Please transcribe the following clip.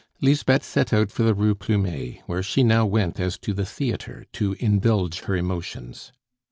Lisbeth set out for the Rue Plumet, where she now went as to the theatre to indulge her emotions.